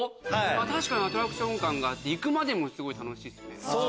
確かにアトラクション感があって行くまでも楽しいですよね。